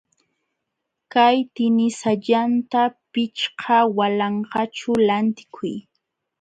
Kay tinisallanta pichqa walanqaćhu lantikuy.